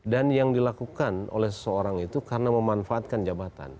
dan yang dilakukan oleh seseorang itu karena memanfaatkan jabatan